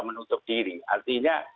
menutup diri artinya